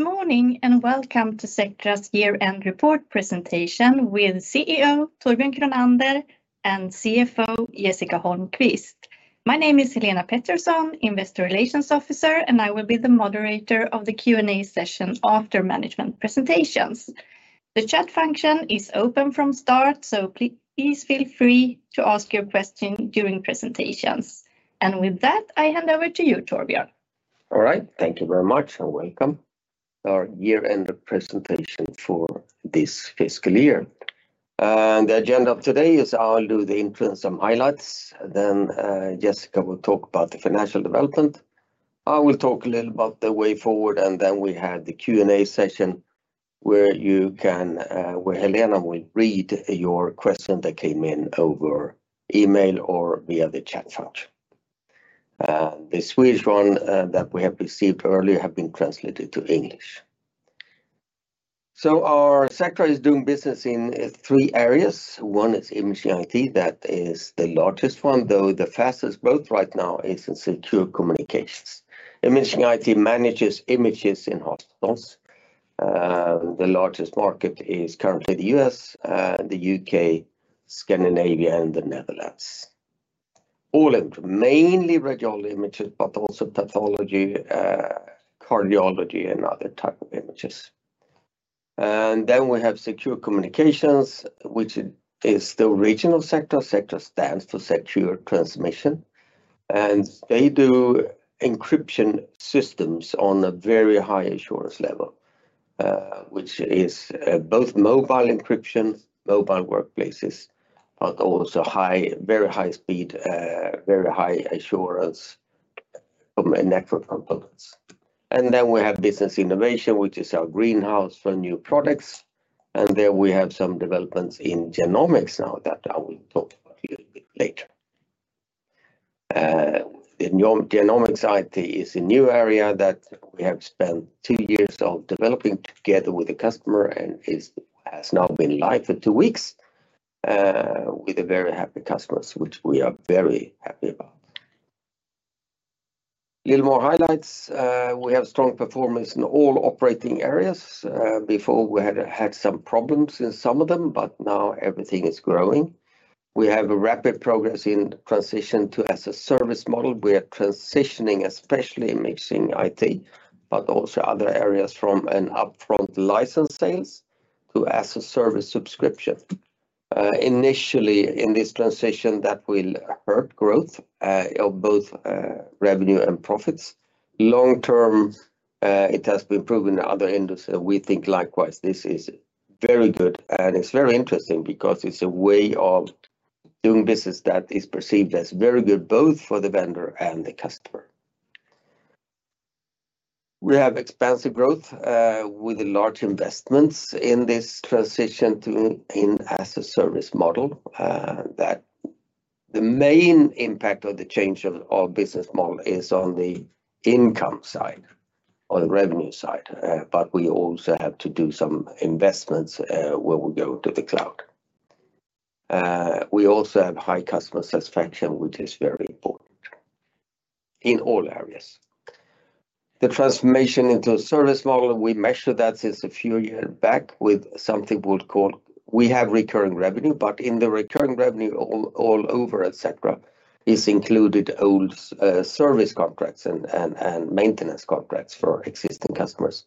Good morning, and welcome to Sectra's year-end report presentation with Chief Executive Torbjörn Kronander and Chief Financial Officer Jessica Holmquist. My name is Helena Pettersson, Investor Relations Officer, and I will be the moderator of the Q&A session after management presentations. The chat function is open from start, so please feel free to ask your question during presentations. And with that, I hand over to you, Torbjörn. All right, thank you very much, and welcome. Our year-end presentation for this fiscal year. The agenda of today is I'll do the intro and some highlights, then, Jessica will talk about the financial development. I will talk a little about the way forward, and then we have the Q&A session, where you can, where Helena will read your question that came in over email or via the chat function. The Swedish one, that we have received earlier have been translated to English. So our Sectra is doing business in three areas. One is Imaging IT, that is the largest one, though, the fastest growth right now is in Secure Communications. Imaging IT manages images in hospitals. The largest market is currently the U.S., the U.K., Scandinavia, and the Netherlands. All of mainly radiology images, but also pathology, cardiology, and other type of images. And then we have Secure Communications, which is the original Sectra. Sectra stands for Secure Transmission, and they do encryption systems on a very high assurance level, which is both mobile encryption, mobile workplaces, but also very high speed, very high assurance from network components. And then we have Business Innovation, which is our greenhouse for new products. And there we have some developments in genomics now that I will talk about a little bit later. The Genomics IT is a new area that we have spent two years of developing together with the customer and has now been live for two weeks, with very happy customers, which we are very happy about. Little more highlights, we have strong performance in all operating areas. Before we had some problems in some of them, but now everything is growing. We have a rapid progress in transition to as a service model. We are transitioning, especially in Imaging IT, but also other areas from an upfront license sales to as a service subscription. Initially, in this transition, that will hurt growth of both revenue and profits. Long term, it has been proven in other industries, we think likewise, this is very good, and it's very interesting because it's a way of doing business that is perceived as very good, both for the vendor and the customer. We have expansive growth with large investments in this transition to an as-a-service model that the main impact of the change of our business model is on the income side, on the revenue side, but we also have to do some investments where we go to the cloud. We also have high customer satisfaction, which is very important in all areas. The transformation into a service model, we measured that since a few years back with something we would call... We have recurring revenue, but in the recurring revenue, all over, et cetera, is included old service contracts and maintenance contracts for existing customers.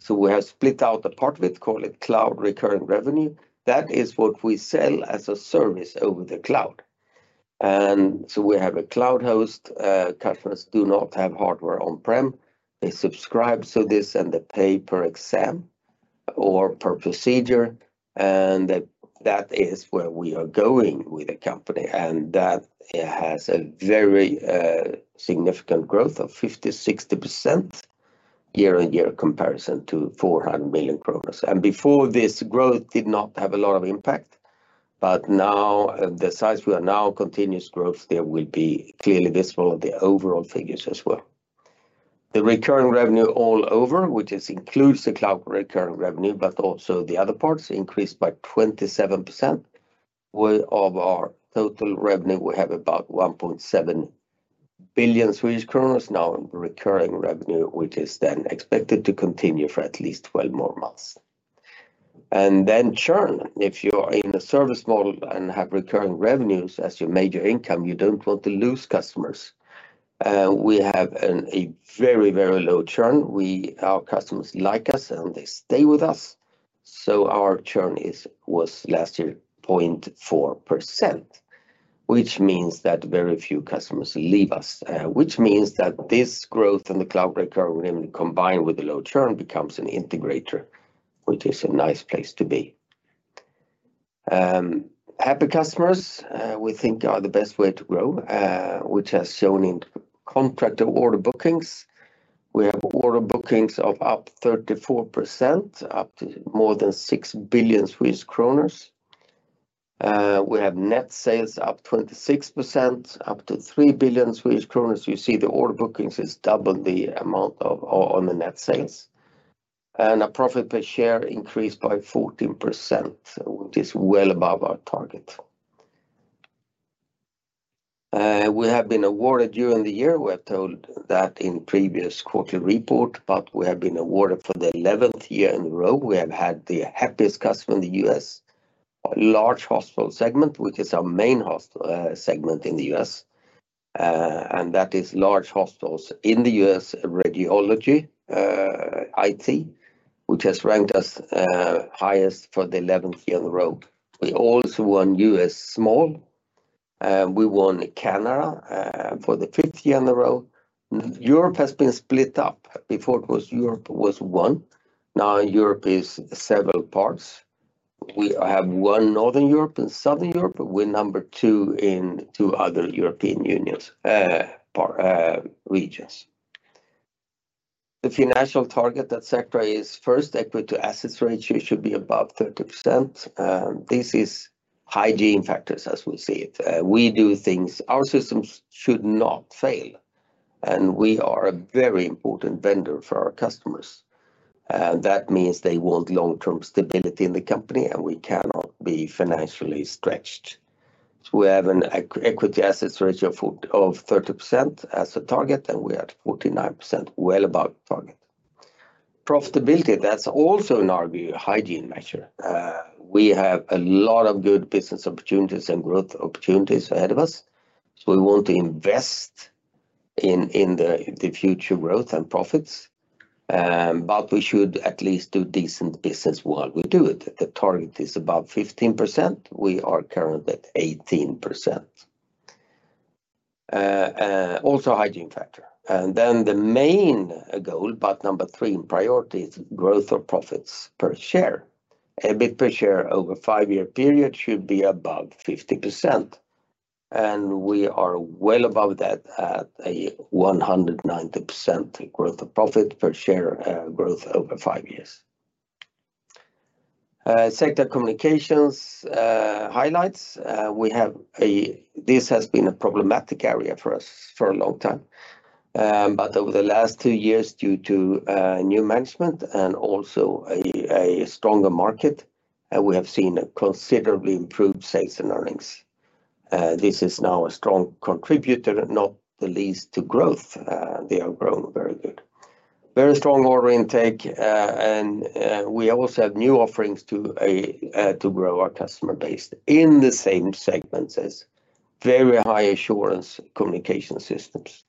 So we have split out the part we call cloud recurring revenue. That is what we sell as a service over the cloud. And so we have a cloud host. Customers do not have hardware on-prem. They subscribe to this and they pay per exam or per procedure, and that is where we are going with the company. And that has a very significant growth of 50%-60% year-on-year comparison to 400 million kronor. And before this, growth did not have a lot of impact, but now, the size we are now, continuous growth, there will be clearly visible of the overall figures as well. The recurring revenue all over, which includes the cloud recurring revenue, but also the other parts, increased by 27%. Out of our total revenue, we have about 1.7 billion now in recurring revenue, which is then expected to continue for at least 12 more months. And then churn. If you're in a service model and have recurring revenues as your major income, you don't want to lose customers. We have a very, very low churn. Our customers like us, and they stay with us, so our churn was last year, 0.4%, which means that very few customers leave us. Which means that this growth in the cloud recurring revenue, combined with the low churn, becomes an integrator, which is a nice place to be. Happy customers, we think are the best way to grow, which has shown in contract order bookings. We have order bookings up 34%, up to more than 6 billion kronor. We have net sales up 26%, up to 3 billion Swedish kronor. You see, the order bookings is double the amount of on the net sales. Our profit per share increased by 14%, which is well above our target. We have been awarded during the year. We have told that in previous quarterly report, but we have been awarded for the eleventh year in a row. We have had the happiest customer in the U.S. large hospital segment, which is our main host segment in the U.S. And that is large hospitals in the U.S. radiology IT, which has ranked us highest for the eleventh year in a row. We also won U.S. small, we won Canada, for the fifth year in a row. Europe has been split up. Before it was Europe was one, now Europe is several parts. We have won Northern Europe and Southern Europe, but we're number two in two other European Unions regions. The financial target at Sectra is first, equity/assets ratio should be above 30%. This is hygiene factors as we see it. We do things. Our systems should not fail, and we are a very important vendor for our customers. That means they want long-term stability in the company, and we cannot be financially stretched. So we have an equity/assets ratio of 30% as a target, and we're at 49%, well above target. Profitability, that's also in our view, a hygiene measure. We have a lot of good business opportunities and growth opportunities ahead of us, so we want to invest in the future growth and profits. But we should at least do decent business while we do it. The target is about 15%. We are currently at 18%. Also a hygiene factor. The main goal, but number 3 in priority, is growth of profits per share. EBIT per share over a five-year period should be above 50%, and we are well above that at a 190% growth of profit per share, growth over five years. Sectra Communications highlights. This has been a problematic area for us for a long time. But over the last two years, due to new management and also a stronger market, we have seen a considerably improved sales and earnings. This is now a strong contributor, not the least to growth. They have grown very good. Very strong order intake, and we also have new offerings to grow our customer base in the same segments as very high assurance communication systems.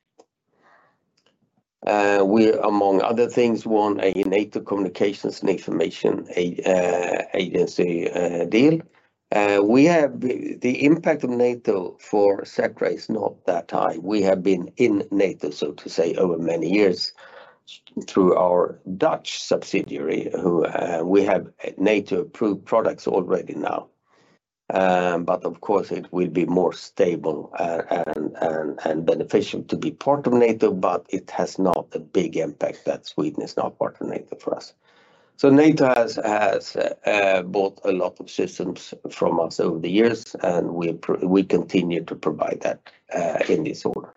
We, among other things, won a NATO Communications and Information Agency deal. The impact of NATO for Sectra is not that high. We have been in NATO, so to say, over many years, through our Dutch subsidiary, we have NATO-approved products already now. But of course, it will be more stable and beneficial to be part of NATO, but it has not a big impact that Sweden is not part of NATO for us. So NATO has bought a lot of systems from us over the years, and we continue to provide that in this order.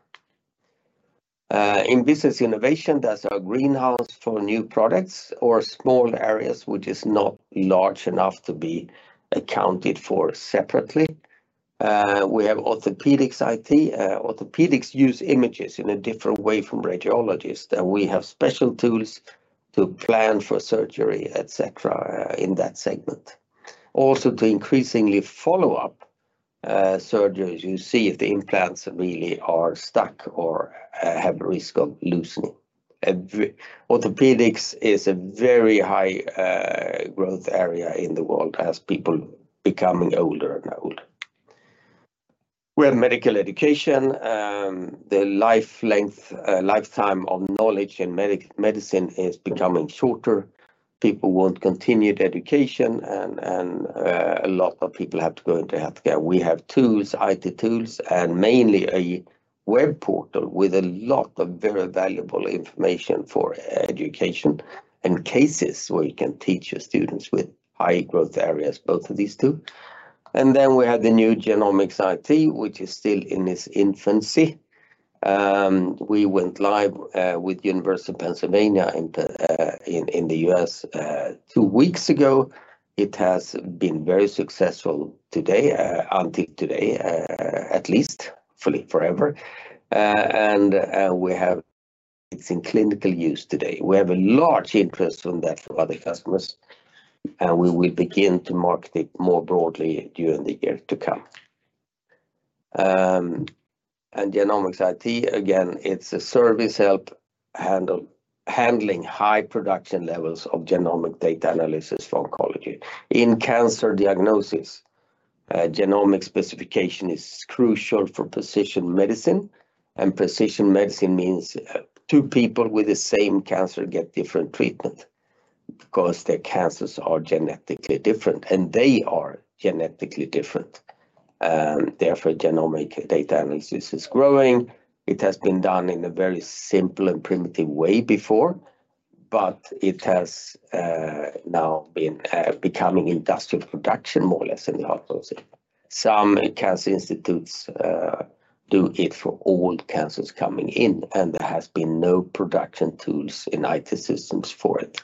In Business Innovation, that's our greenhouse for new products or small areas, which is not large enough to be accounted for separately. We have Orthopaedics IT. Orthopaedics use images in a different way from radiologists, and we have special tools to plan for surgery, et cetera, in that segment. Also, to increasingly follow up, surgeries, you see if the implants really are stuck or, have a risk of loosening. Orthopaedics is a very high, growth area in the world as people becoming older and older. We have medical education, the life length, lifetime of knowledge in medicine is becoming shorter. People want continued education and, a lot of people have to go into healthcare. We have tools, IT tools, and mainly a web portal with a lot of very valuable information for education and cases where you can teach your students with high growth areas, both of these two. And then we have the new Genomics IT, which is still in its infancy. We went live with University of Pennsylvania in the U.S. two weeks ago. It has been very successful today, until today, at least fully forever. It's in clinical use today. We have a large interest from that, from other customers, and we will begin to market it more broadly during the year to come. Genomics IT, again, it's a service handling high production levels of genomic data analysis for oncology. In cancer diagnosis, genomic specification is crucial for precision medicine, and precision medicine means two people with the same cancer get different treatment because their cancers are genetically different, and they are genetically different. Therefore, genomic data analysis is growing. It has been done in a very simple and primitive way before, but it has now been becoming industrial production, more or less in the hospital. Some cancer institutes do it for all cancers coming in, and there has been no production tools in IT systems for it.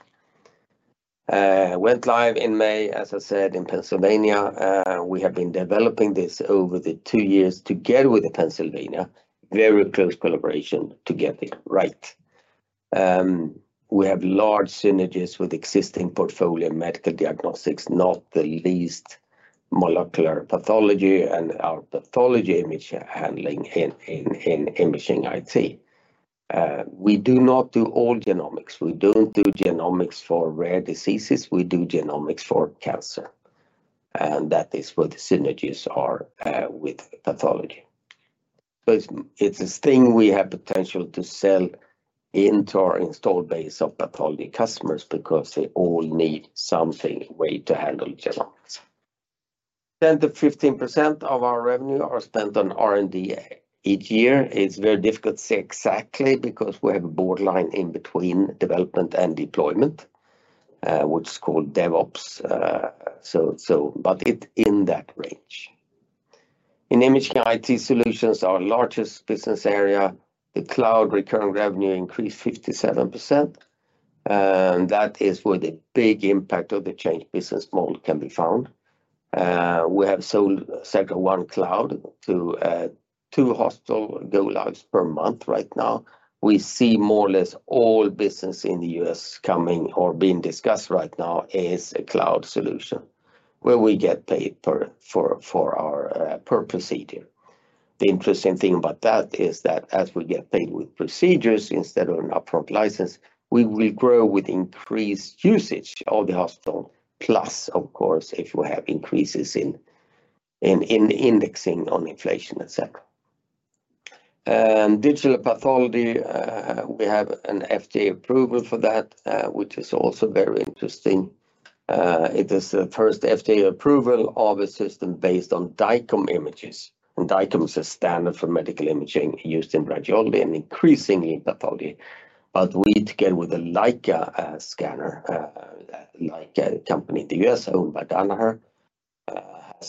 Went live in May, as I said, in Pennsylvania. We have been developing this over the two years together with the Pennsylvania, very close collaboration to get it right. We have large synergies with existing portfolio medical diagnostics, not the least molecular pathology and our pathology image handling in imaging IT. We do not do all genomics. We don't do genomics for rare diseases, we do genomics for cancer, and that is where the synergies are with pathology. So it's, it's a thing we have potential to sell into our installed base of pathology customers because they all need something, a way to handle genomics. 10%-15% of our revenue are spent on R&D each year. It's very difficult to say exactly, because we have a borderline in between development and deployment, what's called DevOps. So, so but it's in that range. In Imaging IT Solutions, our largest business area, the cloud recurring revenue increased 57%, and that is where the big impact of the change business model can be found. We have sold Sectra One Cloud to two hospital go-lives per month right now. We see more or less all business in the U.S. coming or being discussed right now as a cloud solution, where we get paid for, for, for our, per procedure. The interesting thing about that is that as we get paid with procedures instead of an upfront license, we will grow with increased usage of the hospital. Plus, of course, if we have increases in indexing on inflation, et cetera. Digital pathology, we have an FDA approval for that, which is also very interesting. It is the first FDA approval of a system based on DICOM images, and DICOM is a standard for medical imaging used in radiology and increasingly, pathology. But we, together with a Leica scanner, Leica, a company in the US owned by Danaher, has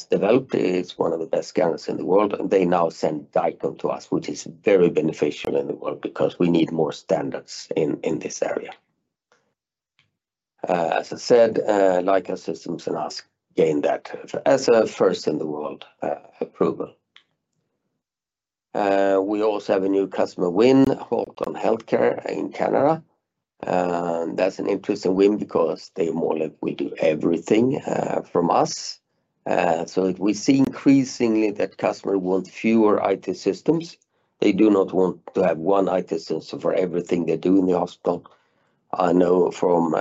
developed it. It's one of the best scanners in the world, and they now send DICOM to us, which is very beneficial in the world, because we need more standards in this area. As I said, Leica Biosystems and us gained that as a first in the world approval. We also have a new customer win, Halton Healthcare in Canada. That's an interesting win because they more or less will do everything from us. So we see increasingly that customer want fewer IT systems. They do not want to have one IT system for everything they do in the hospital. I know from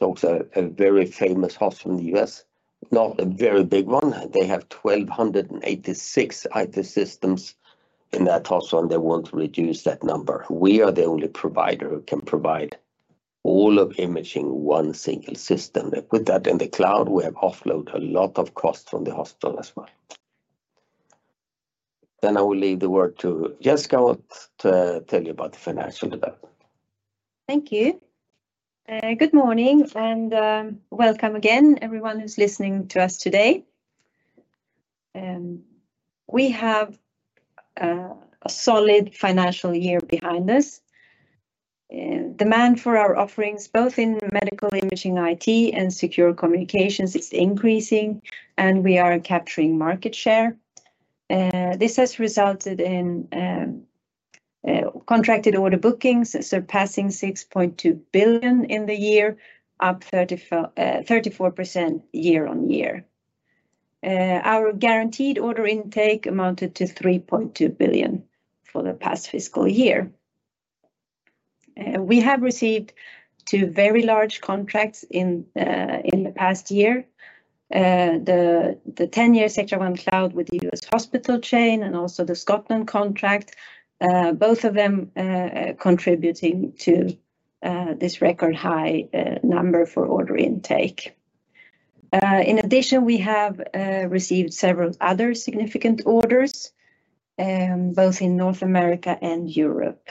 also a very famous hospital in the U.S., not a very big one. They have 1,286 IT systems in that hospital, and they want to reduce that number. We are the only provider who can provide all of imaging, one single system. With that in the cloud, we have offloaded a lot of costs from the hospital as well. I will leave the word to Jessica to tell you about the financial development. Thank you. Good morning, and welcome again, everyone who's listening to us today. We have a solid financial year behind us, and demand for our offerings, both in medical imaging IT and secure communications, is increasing, and we are capturing market share. This has resulted in contracted order bookings surpassing 6.2 billion in the year, up 34, 34% year-over-year. Our guaranteed order intake amounted to 3.2 billion for the past fiscal year. We have received two very large contracts in the past year. The 10-year Sectra One Cloud with the U.S. hospital chain and also the Scotland contract, both of them contributing to this record high number for order intake. In addition, we have received several other significant orders, both in North America and Europe.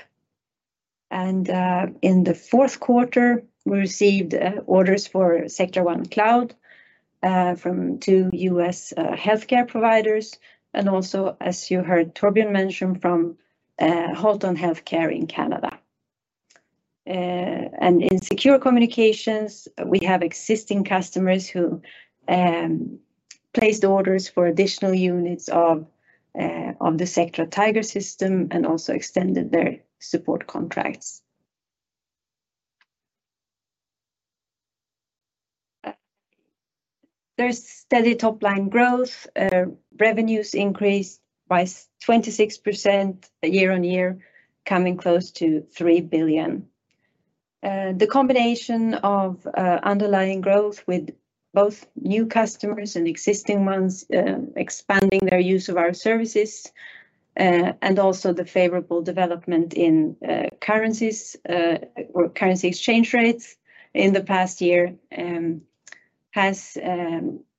In the fourth quarter, we received orders for Sectra One Cloud from two U.S. healthcare providers, and also, as you heard Torbjörn mention, from Halton Healthcare in Canada. In Secure Communications, we have existing customers who placed orders for additional units of the Sectra Tiger/S system and also extended their support contracts. There's steady top-line growth. Revenues increased by 26% year-on-year, coming close to 3 billion. The combination of underlying growth with both new customers and existing ones expanding their use of our services, and also the favorable development in currencies or currency exchange rates in the past year, has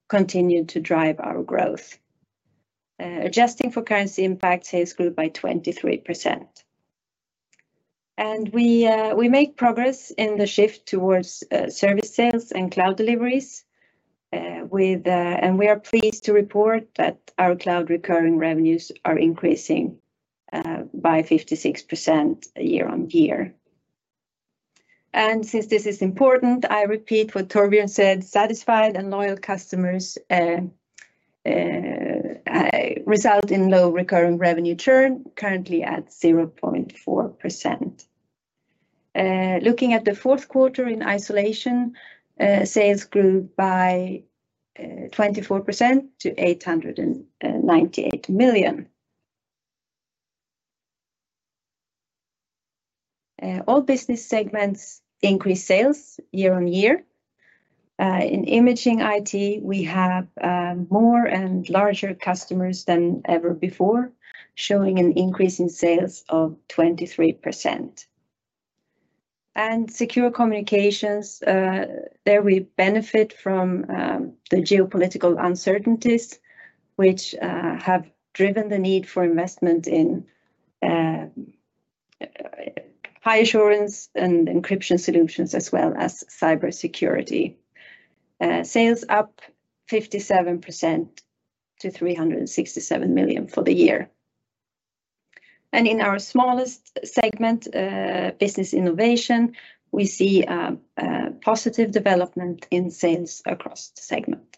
continued to drive our growth. Adjusting for currency impact, sales grew by 23%. And we make progress in the shift towards service sales and cloud deliveries and we are pleased to report that our cloud recurring revenues are increasing by 56% year-over-year. And since this is important, I repeat what Torbjörn said, "Satisfied and loyal customers result in low recurring revenue churn, currently at 0.4%." Looking at the fourth quarter in isolation, sales grew by 24% to SEK 898 million. All business segments increased sales year-over-year. In Imaging IT, we have more and larger customers than ever before, showing an increase in sales of 23%. Secure Communications, there we benefit from the geopolitical uncertainties, which have driven the need for investment in high assurance and encryption solutions, as well as cybersecurity. Sales up 57% to 367 million for the year. In our smallest segment, Business Innovation, we see positive development in sales across the segment.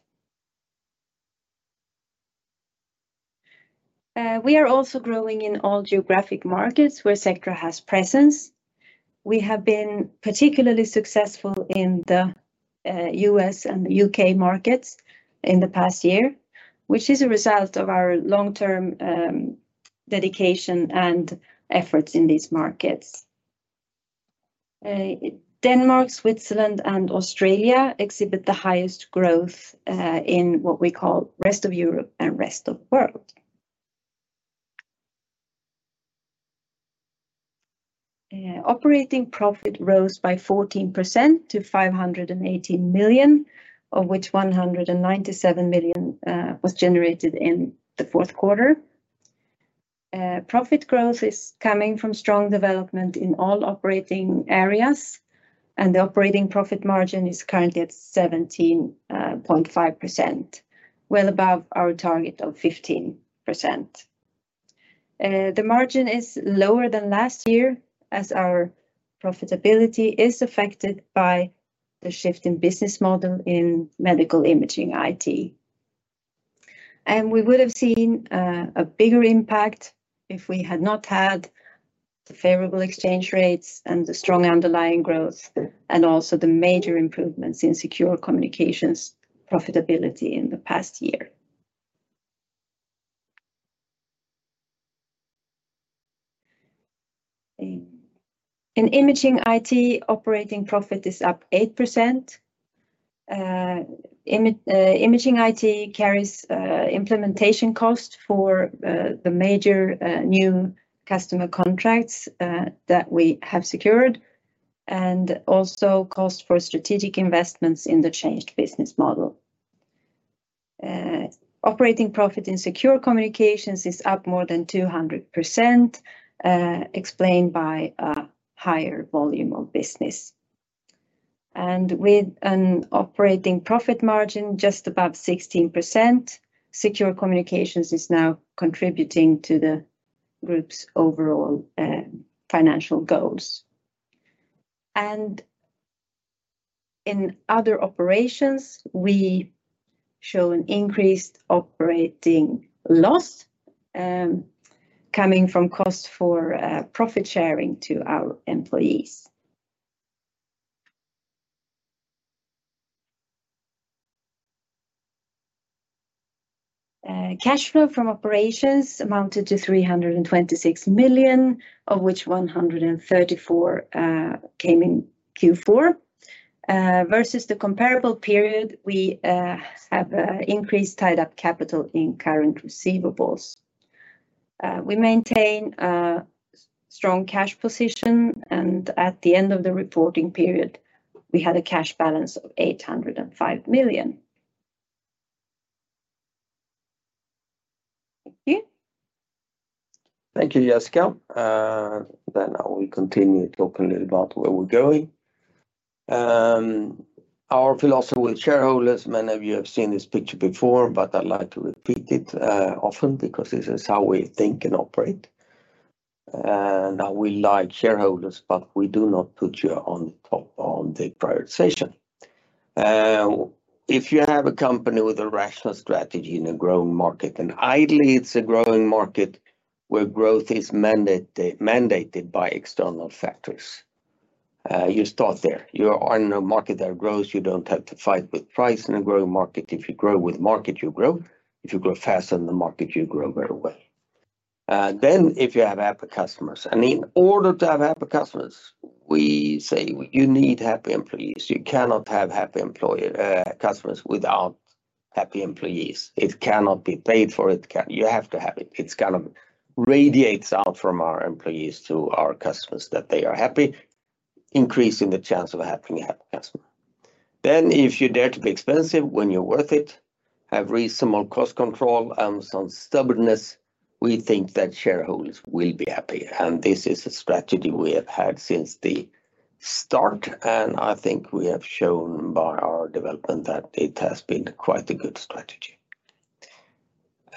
We are also growing in all geographic markets where Sectra has presence. We have been particularly successful in the U.S. and U.K. markets in the past year, which is a result of our long-term dedication and efforts in these markets. Denmark, Switzerland, and Australia exhibit the highest growth in what we call rest of Europe and rest of world. Operating profit rose by 14% to 518 million, of which 197 million was generated in the fourth quarter. Profit growth is coming from strong development in all operating areas, and the operating profit margin is currently at 17.5%, well above our target of 15%. The margin is lower than last year, as our profitability is affected by the shift in business model in imaging IT. We would have seen a bigger impact if we had not had the favorable exchange rates and the strong underlying growth, and also the major improvements in Secure Communications profitability in the past year. In Imaging IT, operating profit is up 8%. Imaging IT carries implementation cost for the major new customer contracts that we have secured, and also cost for strategic investments in the changed business model. Operating profit in Secure Communications is up more than 200%, explained by a higher volume of business. With an operating profit margin just above 16%, Secure Communications is now contributing to the group's overall financial goals. In other operations, we show an increased operating loss, coming from cost for profit sharing to our employees. Cash flow from operations amounted to 326 million, of which 134 million came in Q4. Versus the comparable period, we have increased tied up capital in current receivables. We maintain a strong cash position, and at the end of the reporting period, we had a cash balance of 805 million. Thank you. Thank you, Jessica. Then I will continue talking a little about where we're going. Our philosophy with shareholders, many of you have seen this picture before, but I like to repeat it often because this is how we think and operate. We like shareholders, but we do not put you on top on the prioritization. If you have a company with a rational strategy in a growing market, and ideally, it's a growing market where growth is mandated by external factors, you start there. You are in a market that grows. You don't have to fight with price in a growing market. If you grow with market, you grow. If you grow faster than the market, you grow better way. Then, if you have happy customers, and in order to have happy customers, we say you need happy employees. You cannot have happy employee, customers without happy employees. It cannot be paid for, you have to have it. It's kind of radiates out from our employees to our customers, that they are happy, increasing the chance of having a happy customer. Then, if you dare to be expensive when you're worth it, have reasonable cost control and some stubbornness, we think that shareholders will be happy. And this is a strategy we have had since start, and I think we have shown by our development that it has been quite a good strategy.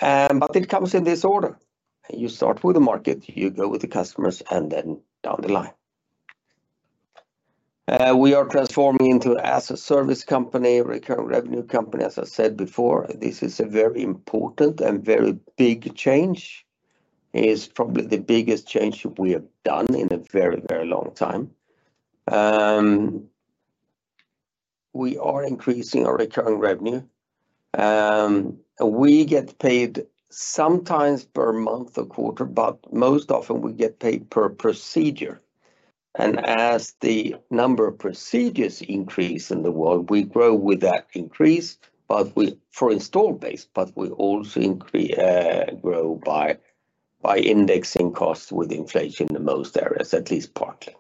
But it comes in this order. You start with the market, you go with the customers, and then down the line. We are transforming into as a service company, recurring revenue company. As I said before, this is a very important and very big change. It is probably the biggest change we have done in a very, very long time. We are increasing our recurring revenue. We get paid sometimes per month or quarter, but most often we get paid per procedure. And as the number of procedures increase in the world, we grow with that increase for installed base, but we also grow by indexing costs with inflation in most areas, at least partly.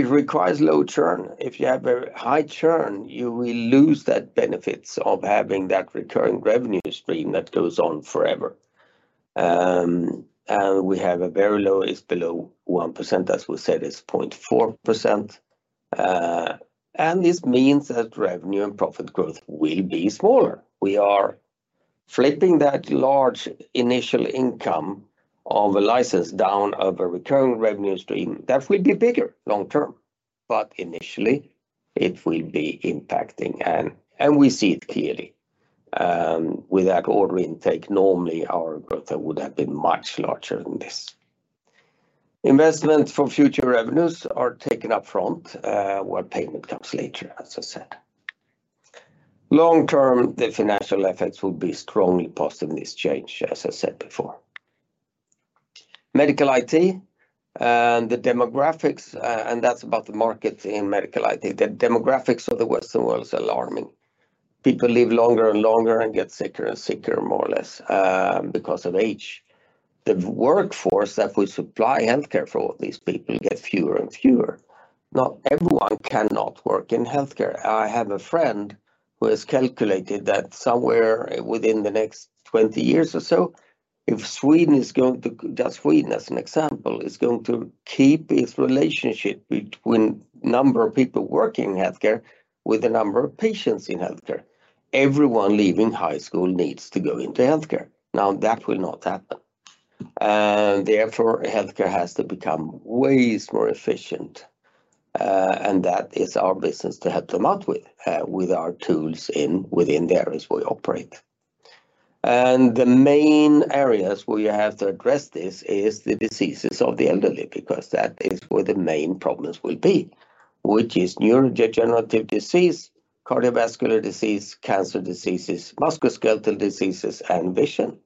It requires low churn. If you have a high churn, you will lose that benefits of having that recurring revenue stream that goes on forever. And we have a very low; it's below 1%, as we said, it's 0.4%. And this means that revenue and profit growth will be smaller. We are flipping that large initial income of a license down of a recurring revenue stream. That will be bigger long term, but initially it will be impacting, and we see it clearly. With that order intake, normally our growth would have been much larger than this. Investments for future revenues are taken up front, where payment comes later, as I said. Long term, the financial effects will be strongly positive this change, as I said before. Medical IT, and the demographics, and that's about the market in medical IT. The demographics of the Western world is alarming. People live longer and longer and get sicker and sicker, more or less, because of age. The workforce that we supply healthcare for all these people get fewer and fewer. Not everyone cannot work in healthcare. I have a friend who has calculated that somewhere within the next 20 years or so, if Sweden is going to, just Sweden, as an example, is going to keep its relationship between number of people working in healthcare with the number of patients in healthcare. Everyone leaving high school needs to go into healthcare. Now, that will not happen. And therefore, healthcare has to become ways more efficient, and that is our business to help them out with, with our tools in, within the areas we operate. And the main areas where you have to address this is the diseases of the elderly, because that is where the main problems will be, which is neurodegenerative disease, cardiovascular disease, cancer diseases, musculoskeletal diseases, and vision.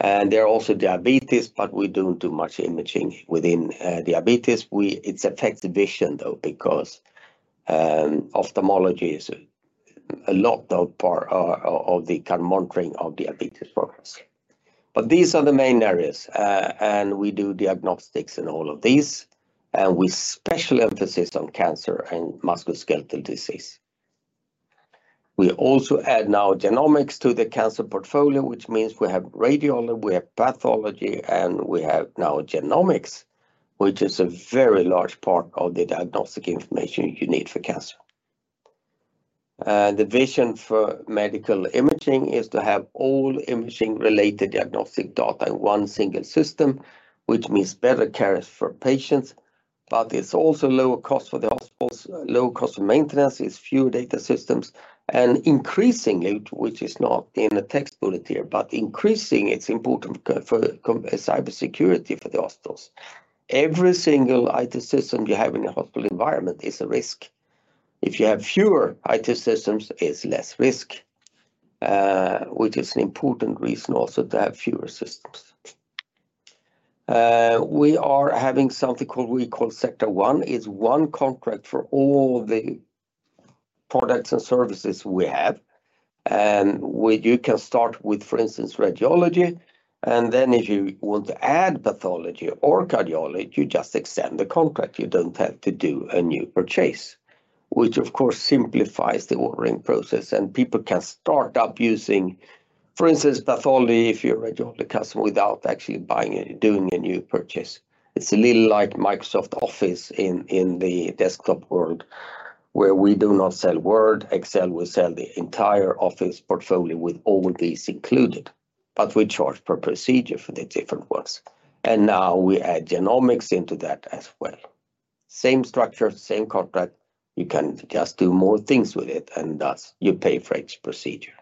And there are also diabetes, but we don't do much imaging within, diabetes. It affects the vision, though, because ophthalmology is a lot of part of the current monitoring of diabetes progress. But these are the main areas, and we do diagnostics in all of these, and with special emphasis on cancer and musculoskeletal disease. We also add now genomics to the cancer portfolio, which means we have radiology, we have pathology, and we have now genomics, which is a very large part of the diagnostic information you need for cancer. The vision for medical imaging is to have all imaging related diagnostic data in one single system, which means better care for patients, but it's also lower cost for the hospitals, low cost of maintenance, it's few data systems, and increasingly, which is not in the text bullet here, but increasingly it's important for cybersecurity for the hospitals. Every single IT system you have in a hospital environment is a risk. If you have fewer IT systems, it's less risk, which is an important reason also to have fewer systems. We are having something called, we call Sectra One. It's one contract for all the products and services we have, and where you can start with, for instance, Radiology, and then if you want to add Pathology or Cardiology, you just extend the contract. You don't have to do a new purchase, which of course, simplifies the ordering process, and people can start up using, for instance, Pathology, if you're a Radiology customer, without actually buying it, doing a new purchase. It's a little like Microsoft Office in the desktop world, where we do not sell Word, Excel, we sell the entire Office portfolio with all these included, but we charge per procedure for the different ones. And now we add genomics into that as well. Same structure, same contract. You can just do more things with it, and thus, you pay for each procedure.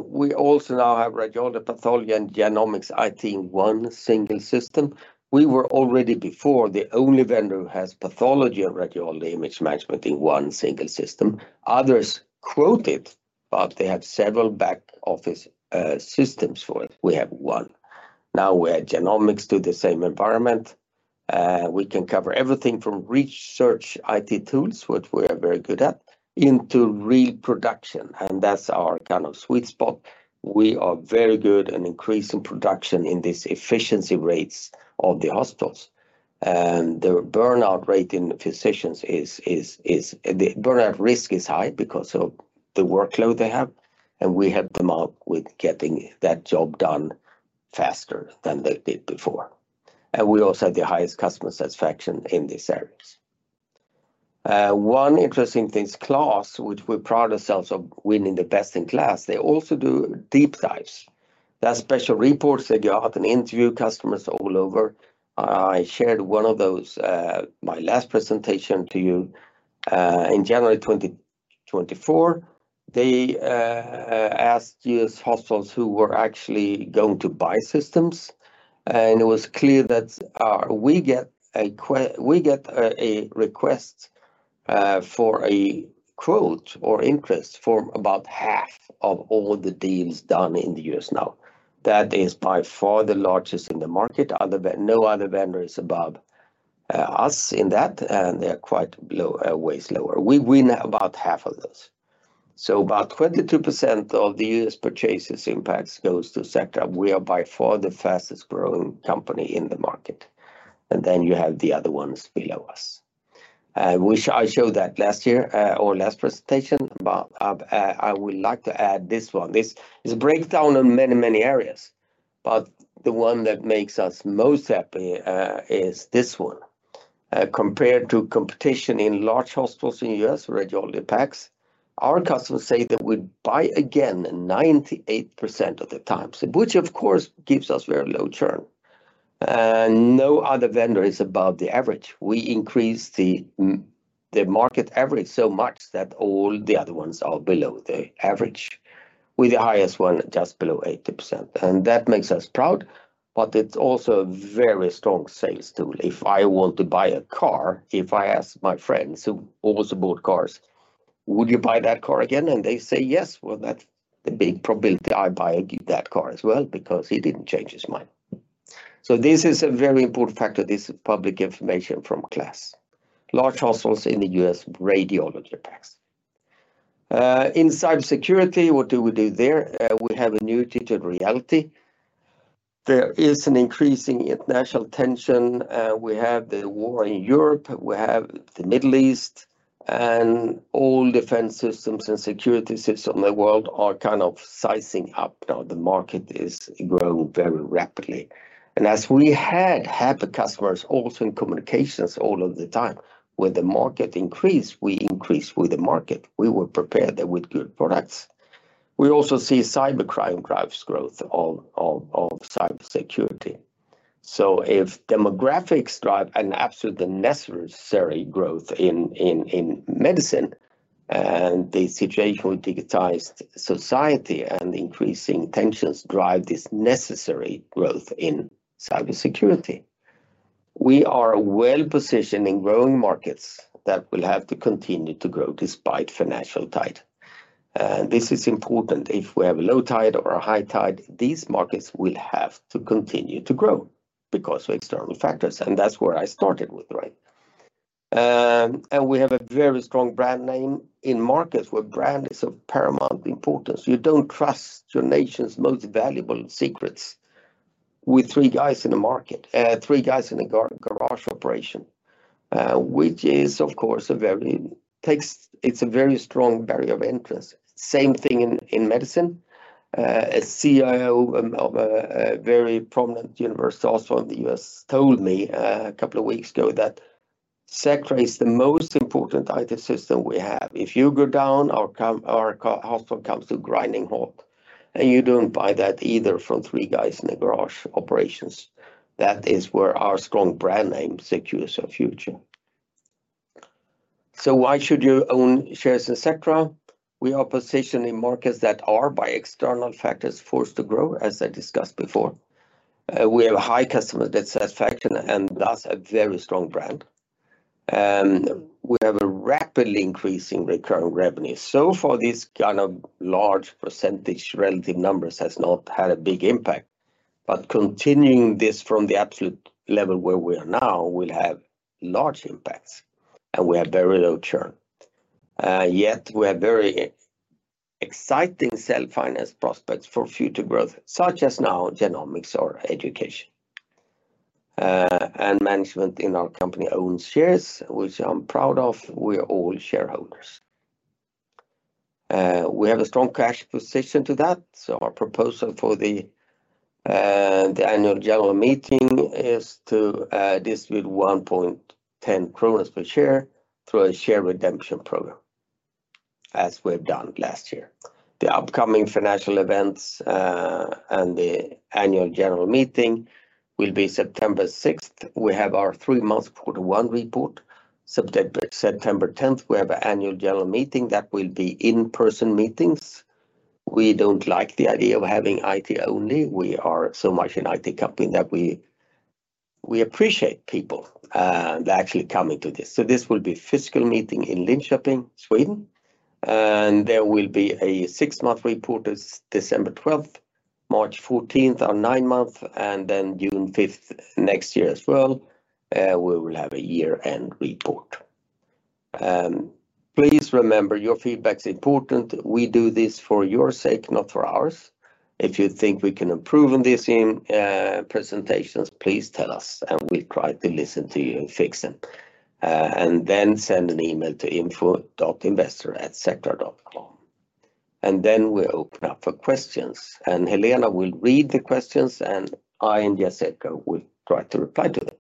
We also now have radiology, pathology, and genomics IT in one single system. We were already before the only vendor who has pathology and radiology image management in one single system. Others quote it, but they have several back office systems for it. We have one. Now, we add genomics to the same environment. We can cover everything from research IT tools, which we are very good at, into reproduction, and that's our kind of sweet spot. We are very good and increasing production in this efficiency rates of the hospitals, and the burnout rate in physicians is... the burnout risk is high because of the workload they have. We help them out with getting that job done faster than they did before. We also have the highest customer satisfaction in these areas. One interesting thing is KLAS, which we pride ourselves of winning the Best in KLAS. They also do deep dives, there are special reports they go out and interview customers all over. I shared one of those, my last presentation to you, in January 2024. They asked U.S. hospitals who were actually going to buy systems, and it was clear that we get a request for a quote or interest for about half of all the deals done in the U.S. now. That is by far the largest in the market. No other vendor is above us in that, and they are quite low, ways lower. We win about half of those. So about 22% of the U.S. purchases impacts goes to Sectra. We are by far the fastest growing company in the market, and then you have the other ones below us. I wish I showed that last year or last presentation, but I would like to add this one. This is a breakdown in many, many areas, but the one that makes us most happy, is this one. Compared to competition in large hospitals in the U.S. radiology PACS, our customers say they would buy again 98% of the time, so which of course, gives us very low churn. And no other vendor is above the average. We increase the market average so much that all the other ones are below the average, with the highest one just below 80%, and that makes us proud, but it's also a very strong sales tool. If I were to buy a car, if I ask my friends who always bought cars, "Would you buy that car again?" And they say, "Yes," well, that's the big probability I buy that car as well, because he didn't change his mind. So this is a very important factor, this is public information from KLAS. Large hospitals in the U.S. radiology PACS. In cybersecurity, what do we do there? We have a new digital reality. There is an increasing international tension, and we have the war in Europe, we have the Middle East, and all defense systems and security systems in the world are kind of sizing up now. The market is growing very rapidly. As we had happy customers also in communications all of the time, when the market increased, we increased with the market. We were prepared with good products. We also see cybercrime drives growth of cybersecurity. So if demographics drive an absolutely necessary growth in medicine, and the situation with digitized society and increasing tensions drive this necessary growth in cybersecurity. We are well positioned in growing markets that will have to continue to grow despite financial tide. This is important. If we have a low tide or a high tide, these markets will have to continue to grow because of external factors, and that's where I started with, right? And we have a very strong brand name in markets where brand is of paramount importance. You don't trust your nation's most valuable secrets with three guys in a garage operation, which is, of course, it's a very strong barrier to entry. Same thing in medicine. A Chief Information Officer of a very prominent university also in the U.S. told me a couple of weeks ago that Sectra is the most important IT system we have. If you go down, our hospital comes to grinding halt, and you don't buy that either from three guys in a garage operations. That is where our strong brand name secures our future. So why should you own shares in Sectra? We are positioned in markets that are, by external factors, forced to grow, as I discussed before. We have a high customer satisfaction and thus a very strong brand. And we have a rapidly increasing recurring revenue. So for this kind of large percentage, relative numbers has not had a big impact, but continuing this from the absolute level where we are now, will have large impacts, and we have very low churn. Yet we have very exciting self-finance prospects for future growth, such as now, genomics or education. And management in our company owns shares, which I'm proud of. We are all shareholders. We have a strong cash position to that, so our proposal for the, the annual general meeting is to, distribute 1.10 kronor per share through a share redemption program, as we've done last year. The upcoming financial events, and the annual general meeting will be September sixth. We have our three-month quarter one report. September tenth, we have an annual general meeting that will be in-person meetings. We don't like the idea of having IT only. We are so much an IT company that we, we appreciate people, actually coming to this. So this will be physical meeting in Linköping, Sweden, and there will be a six-month report, December twelfth, March fourteenth, our nine-month, and then June fifth next year as well, we will have a year-end report. Please remember, your feedback's important. We do this for your sake, not for ours.... If you think we can improve on these presentations, please tell us, and we'll try to listen to you and fix them. And then send an email to info.investor@sectra.com. And then we'll open up for questions, and Helena will read the questions, and I and Jessica will try to reply to them.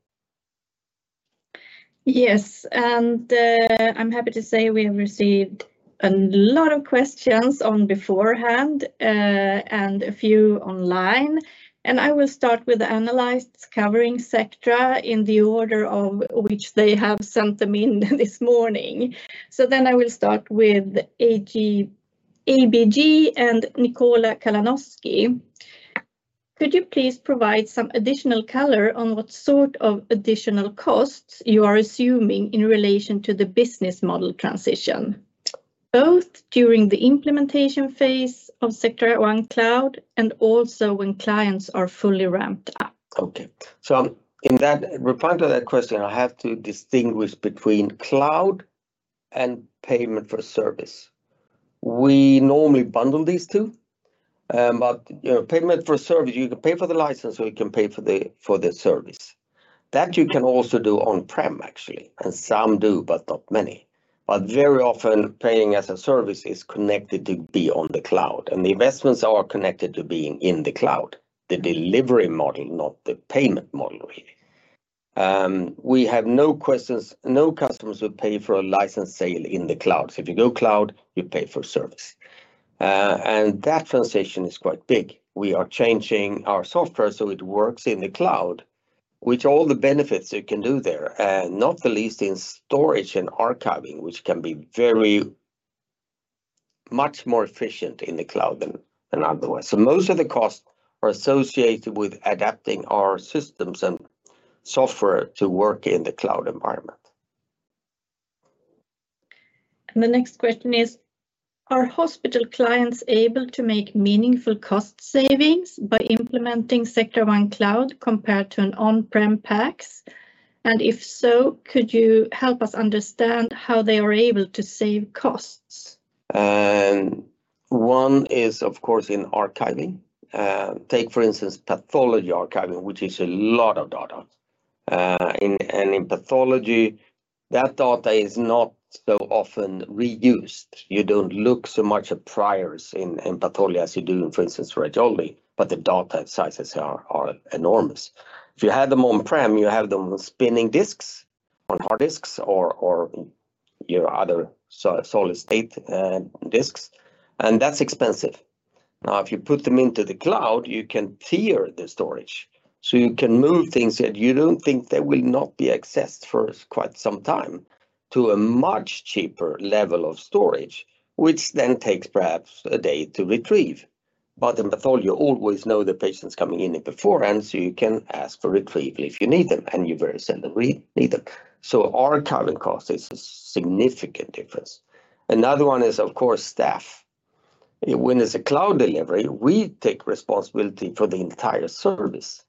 Yes, and, I'm happy to say we have received a lot of questions on beforehand, and a few online. I will start with the analysts covering Sectra in the order of which they have sent them in this morning. So then I will start with ABG and Nikola Kalanoski. Could you please provide some additional color on what sort of additional costs you are assuming in relation to the business model transition, both during the implementation phase of Sectra One Cloud and also when clients are fully ramped up? Okay, so in that, replying to that question, I have to distinguish between cloud and payment for service. We normally bundle these two, but, you know, payment for service, you can pay for the license or you can pay for the service. That you can also do on-prem, actually, and some do, but not many. But very often, paying as a service is connected to be on the cloud, and the investments are connected to being in the cloud, the delivery model, not the payment model here. We have no questions, no customers who pay for a license sale in the cloud. So if you go cloud, you pay for service. And that transition is quite big. We are changing our software so it works in the cloud, which all the benefits it can do there, not the least in storage and archiving, which can be very much more efficient in the cloud than otherwise. So most of the costs are associated with adapting our systems and software to work in the cloud environment. The next question is, are hospital clients able to make meaningful cost savings by implementing Sectra One Cloud compared to an on-prem PACS? If so, could you help us understand how they are able to save costs? One is, of course, in archiving. Take, for instance, pathology archiving, which is a lot of data. And in pathology, that data is not so often reused. You don't look so much at priors in pathology as you do, for instance, radiology, but the data sizes are enormous. If you had them on-prem, you have them spinning disks on hard disks or your other solid-state disks, and that's expensive. Now, if you put them into the cloud, you can tier the storage. So you can move things that you don't think they will not be accessed for quite some time to a much cheaper level of storage, which then takes perhaps a day to retrieve. But in pathology, you always know the patients coming in it beforehand, so you can ask for retrieval if you need them, and you very seldomly need them. So our current cost is a significant difference. Another one is, of course, staff. When it's a cloud delivery, we take responsibility for the entire service,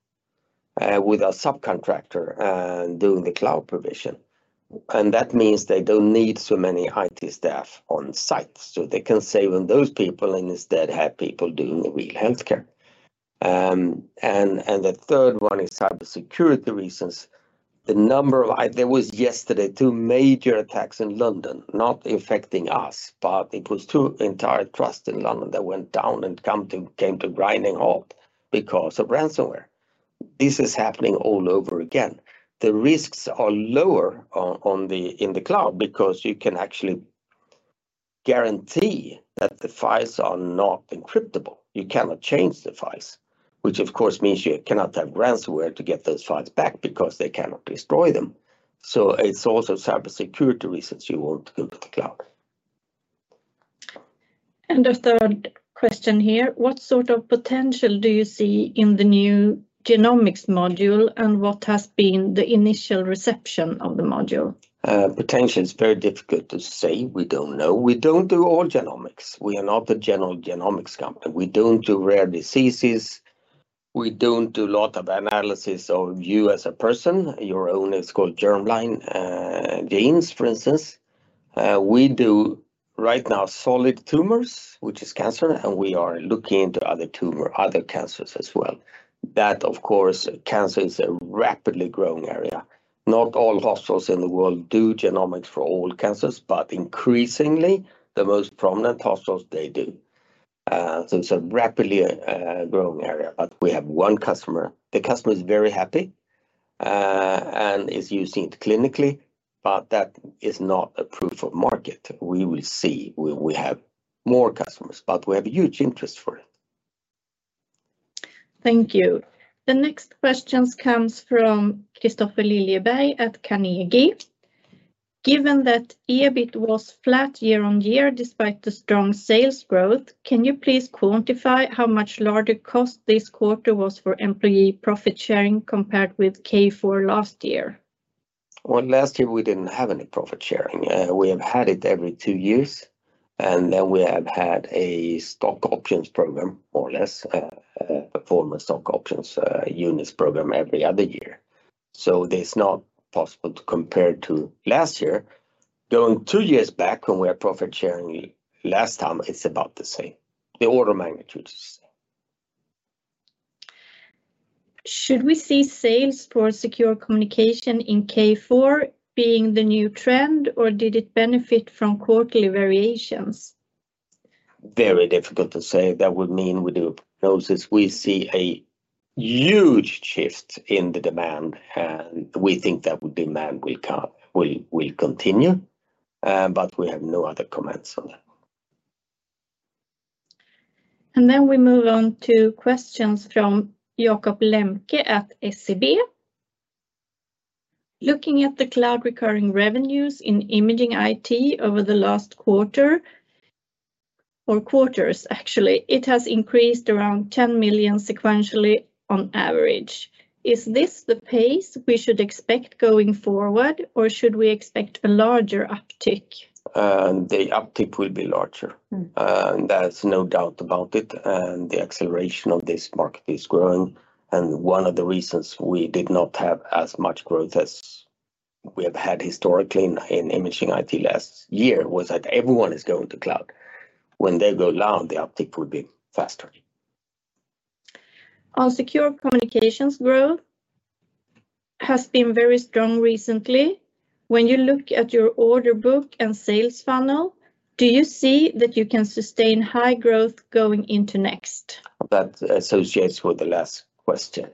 with a subcontractor doing the cloud provision. And that means they don't need so many IT staff on site, so they can save on those people and instead have people doing the real healthcare. And the third one is cybersecurity reasons. There was yesterday, two major attacks in London, not affecting us, but it was two entire trust in London that went down and came to a grinding halt because of ransomware. This is happening all over again. The risks are lower in the cloud because you can actually guarantee that the files are not encryptable. You cannot change the files, which of course, means you cannot have ransomware to get those files back because they cannot destroy them. So it's also cybersecurity reasons you want to go to the cloud. The third question here, what sort of potential do you see in the new genomics module, and what has been the initial reception of the module? Potential is very difficult to say. We don't know. We don't do all genomics. We are not a general genomics company. We don't do rare diseases, we don't do a lot of analysis of you as a person, your own, it's called germline, genes, for instance. We do right now, solid tumors, which is cancer, and we are looking into other tumor, other cancers as well. That, of course, cancer is a rapidly growing area. Not all hospitals in the world do genomics for all cancers, but increasingly, the most prominent hospitals, they do. So it's a rapidly growing area, but we have one customer. The customer is very happy, and is using it clinically, but that is not a proof of market. We will see when we have more customers, but we have a huge interest for it. Thank you. The next question comes from Kristofer Liljeberg at Carnegie Investment Bank. Given that EBIT was flat year-on-year, despite the strong sales growth, can you please quantify how much larger the cost this quarter was for employee profit sharing compared with Q4 last year? Well, last year, we didn't have any profit sharing. We have had it every two years, and then we have had a stock options program, more or less, a former stock options units program every other year. So it's not possible to compare to last year. Going two years back when we had profit sharing last time, it's about the same. The order of magnitude is the same. Should we see sales for Secure Communications in Q4 being the new trend, or did it benefit from quarterly variations? Very difficult to say. That would mean we do an analysis. We see a huge shift in the demand, and we think that the demand will come, will continue, but we have no other comments on that. Then we move on to questions from Jacob Lemke at SEB. Looking at the cloud recurring revenues in Imaging IT over the last quarter, or quarters, actually, it has increased around 10 million sequentially on average. Is this the pace we should expect going forward, or should we expect a larger uptick? The uptick will be larger. Mm. There's no doubt about it, and the acceleration of this market is growing, and one of the reasons we did not have as much growth as we have had historically in Imaging IT last year was that everyone is going to cloud. When they go down, the uptick will be faster. On Secure Communications growth has been very strong recently. When you look at your order book and sales funnel, do you see that you can sustain high growth going into next? That associates with the last question.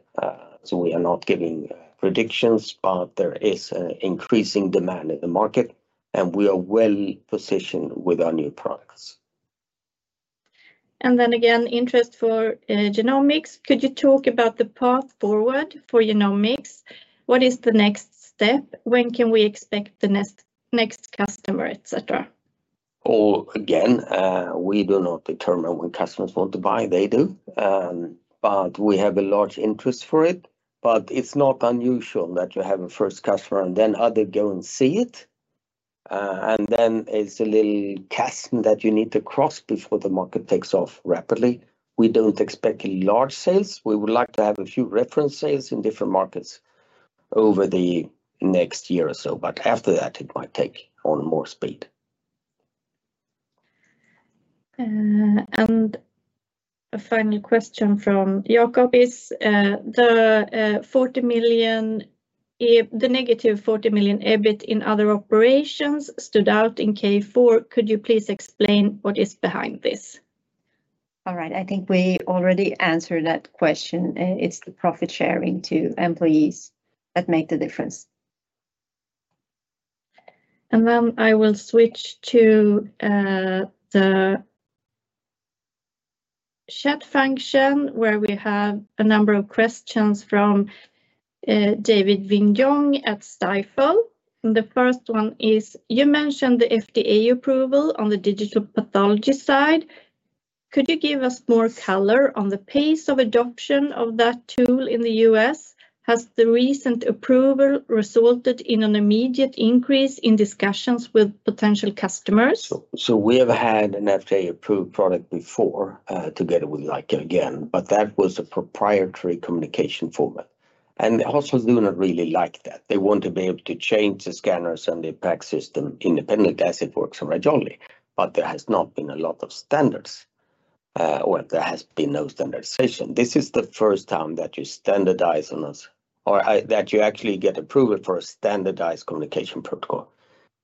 So we are not giving predictions, but there is an increasing demand in the market, and we are well positioned with our new products. And then again, interest for Genomics. Could you talk about the path forward for Genomics? What is the next step? When can we expect the next customer, et cetera? We do not determine when customers want to buy, they do. But we have a large interest for it, but it's not unusual that you have a first customer and then other go and see it. And then it's a little chasm that you need to cross before the market takes off rapidly. We don't expect large sales. We would like to have a few reference sales in different markets over the next year or so, but after that, it might take on more speed. A final question from Jacob is, the 40 million, the negative 40 million EBIT in other operations stood out in Q4. Could you please explain what is behind this? All right, I think we already answered that question. It's the profit sharing to employees that make the difference. And then I will switch to the chat function, where we have a number of questions from David Vignon at Stifel. And the first one is, you mentioned the FDA approval on the digital pathology side. Could you give us more color on the pace of adoption of that tool in the US? Has the recent approval resulted in an immediate increase in discussions with potential customers? So we have had an FDA-approved product before, together with Leica again, but that was a proprietary communication format. And hospitals do not really like that. They want to be able to change the scanners and the PACS independently as it works originally, but there has not been a lot of standards. Well, there has been no standardization. This is the first time that you standardize on us- or I, that you actually get approval for a standardized communication protocol.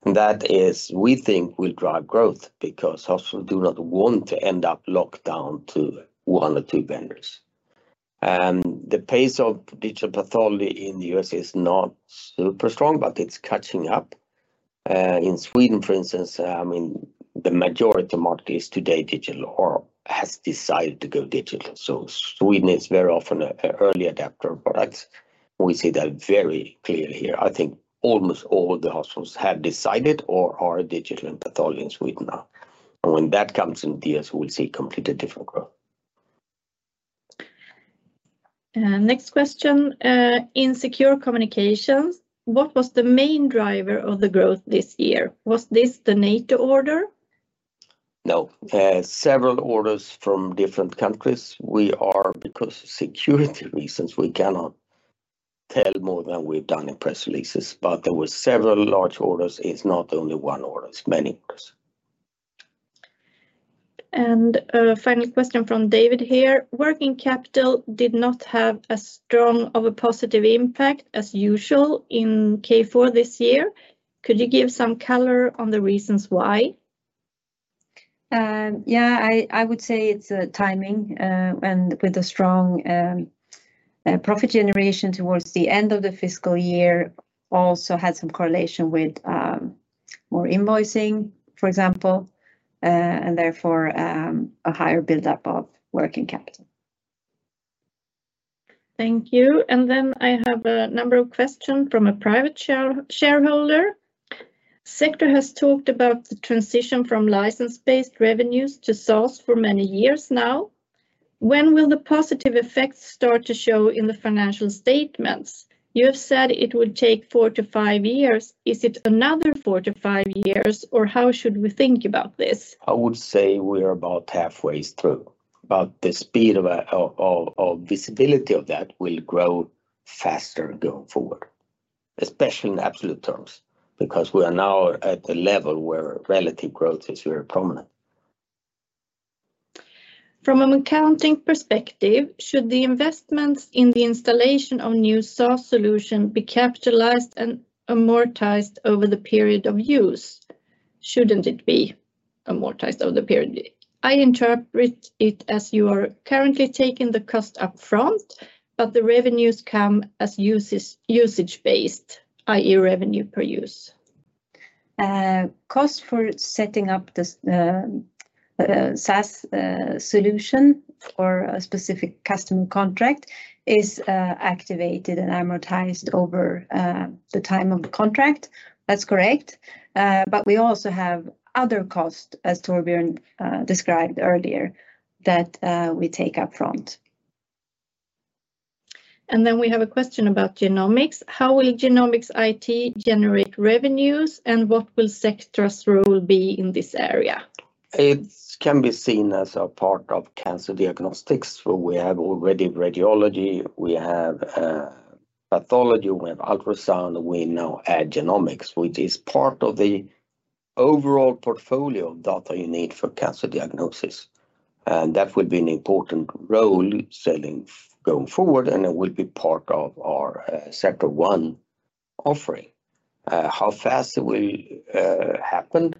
And that is, we think will drive growth because hospitals do not want to end up locked down to one or two vendors. And the pace of digital pathology in the U.S. is not super strong, but it's catching up. In Sweden, for instance, I mean, the majority of the market is today digital or has decided to go digital. Sweden is very often an early adopter of products. We see that very clearly here. I think almost all the hospitals have decided or are digital in pathology in Sweden now. When that comes in the U.S., we'll see completely different growth. Next question. In Secure Communications, what was the main driver of the growth this year? Was this the NATO order? No, several orders from different countries. We are, because of security reasons, we cannot tell more than we've done in press releases, but there were several large orders. It's not only one order, it's many. A final question from David here. Working capital did not have as strong of a positive impact as usual in K4 this year. Could you give some color on the reasons why? Yeah, I would say it's the timing, and with the strong profit generation towards the end of the fiscal year, also had some correlation with more invoicing, for example, and therefore, a higher buildup of working capital. Thank you. And then I have a number of questions from a private shareholder. Sectra has talked about the transition from license-based revenues to SaaS for many years now. When will the positive effects start to show in the financial statements? You have said it would take 4-5 years. Is it another 4-5 years, or how should we think about this? I would say we are about halfway through... but the speed of visibility of that will grow faster going forward, especially in absolute terms, because we are now at a level where relative growth is very prominent. From an accounting perspective, should the investments in the installation of new SaaS solution be capitalized and amortized over the period of use? Shouldn't it be amortized over the period? I interpret it as you are currently taking the cost upfront, but the revenues come as uses, usage-based, i.e., revenue per use. Cost for setting up the SaaS solution for a specific customer contract is activated and amortized over the time of the contract. That's correct. But we also have other costs, as Torbjörn described earlier, that we take upfront. We have a question about Genomics IT. How will Genomics IT generate revenues, and what will Sectra's role be in this area? It can be seen as a part of cancer diagnostics, where we have already radiology, we have pathology, we have ultrasound. We now add genomics, which is part of the overall portfolio of data you need for cancer diagnosis. And that will be an important role selling going forward, and it will be part of our Sectra One offering. How fast it will happen?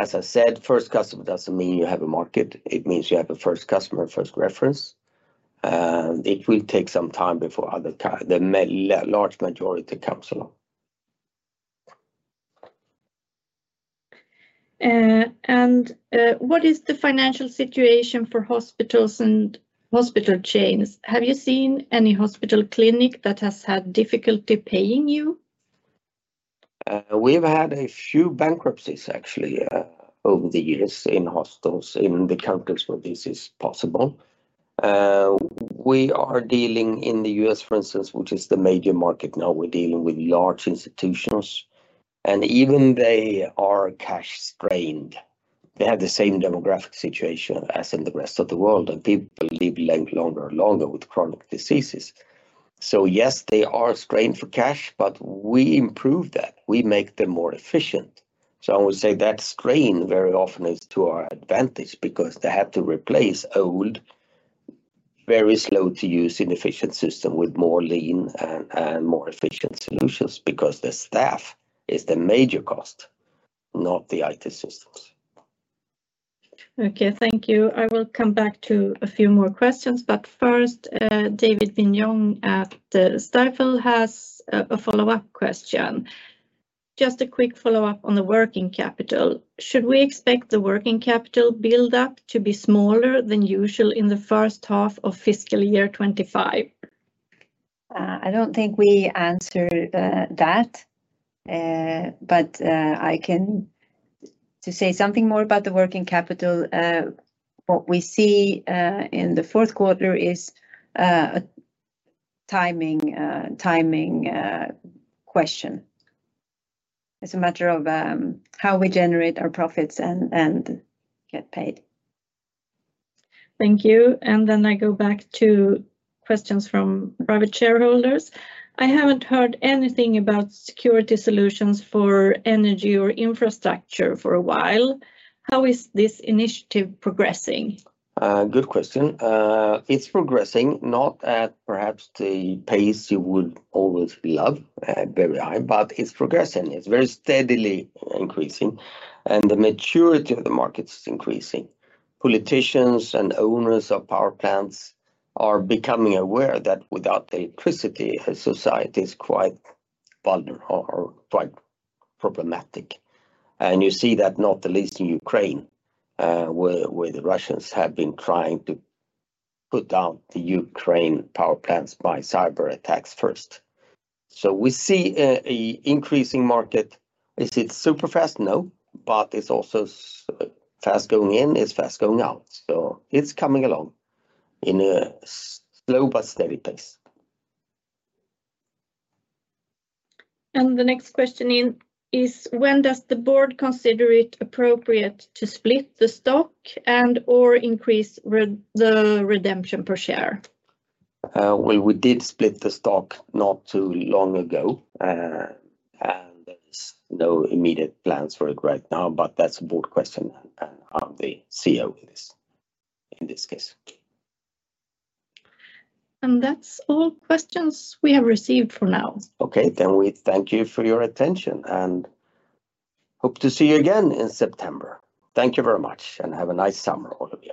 As I said, first customer doesn't mean you have a market; it means you have a first customer, first reference. It will take some time before other customers—the large majority comes along. What is the financial situation for hospitals and hospital chains? Have you seen any hospital clinic that has had difficulty paying you? We've had a few bankruptcies, actually, over the years in hospitals, in the countries where this is possible. We are dealing in the US, for instance, which is the major market now. We're dealing with large institutions, and even they are cash-strained. They have the same demographic situation as in the rest of the world, and people live longer and longer with chronic diseases. So yes, they are strained for cash, but we improve that. We make them more efficient. So I would say that strain very often is to our advantage because they have to replace old, very slow to use, inefficient system with more lean and more efficient solutions, because the staff is the major cost, not the IT systems. Okay, thank you. I will come back to a few more questions, but first, David Vignon at Stifel has a follow-up question. Just a quick follow-up on the working capital. Should we expect the working capital build-up to be smaller than usual in the first half of fiscal year 2025? I don't think we answered that, but I can... To say something more about the working capital, what we see in the fourth quarter is a timing question. It's a matter of how we generate our profits and get paid. Thank you. Then I go back to questions from private shareholders. I haven't heard anything about security solutions for energy or infrastructure for a while. How is this initiative progressing? Good question. It's progressing, not at perhaps the pace you would always love, very high, but it's progressing. It's very steadily increasing, and the maturity of the market is increasing. Politicians and owners of power plants are becoming aware that without electricity, society is quite vulnerable or quite problematic. And you see that not the least in Ukraine, where the Russians have been trying to put down the Ukraine power plants by cyber attacks first. So we see a increasing market. Is it super fast? No. But it's also fast going in, it's fast going out, so it's coming along in a slow but steady pace. The next question in, is: When does the board consider it appropriate to split the stock and/or increase the redemption per share? Well, we did split the stock not too long ago, and there's no immediate plans for it right now, but that's a board question, and I'm the Chief Executive Officer of this, in this case. That's all questions we have received for now. Okay. Then we thank you for your attention and hope to see you again in September. Thank you very much, and have a nice summer, all of you.